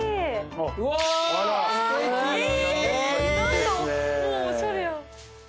もうおしゃれや。